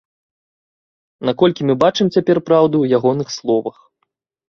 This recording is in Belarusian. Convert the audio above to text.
Наколькі мы бачым цяпер праўду ў ягоных словах.